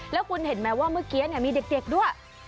แล้วคุณเห็นไหมว่าเมื่อกี้มีเด็กด้วย